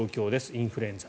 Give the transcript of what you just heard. インフルエンザ。